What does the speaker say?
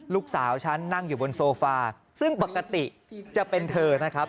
ลูกสาวฉันนั่งอยู่บนโซฟาซึ่งปกติจะเป็นเธอนะครับ